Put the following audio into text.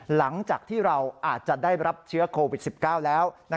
หลังจากที่เราอาจจะได้รับเชื้อโควิด๑๙แล้ว